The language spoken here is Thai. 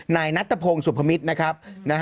นายนัทพงศ์สุพมิตรนะครับ